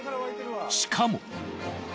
しかも。